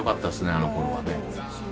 あのころはね。